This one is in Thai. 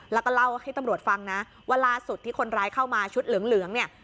แล้วก็เล่าให้ตำรวจฟังนะว่าล่าสุดที่คนร้ายเข้ามาชุดเหลืองเนี่ย